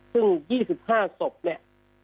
ซึ่ง๒๕ศพเนี่ย